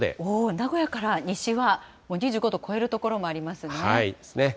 名古屋から西はもう２５度を超える所もありますね。ですね。